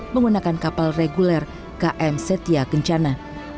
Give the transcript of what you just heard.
menggunakan kapal reguler km setia kencana